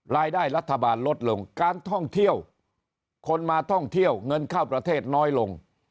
รายได้รัฐบาลลดลงการท่องเที่ยวคนมาท่องเที่ยวเงินเข้าประเทศน้อยลง